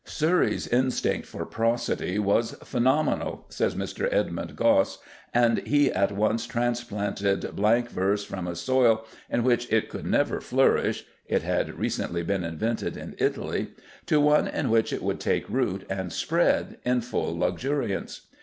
"Surrey's instinct for prosody was phenomenal," says Mr. Edmund Gosse, and "he at once transplanted blank verse from a soil in which it could never flourish [it had recently been invented in Italy], to one in which it would take root and spread in full luxuriance."